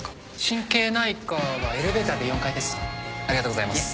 神経内科はエレベーターで４階です。